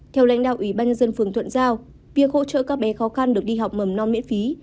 theo lãnh đạo ủy ban nhân dân phường thuận giao việc hỗ trợ các bé khó khăn được đi học mầm non miễn phí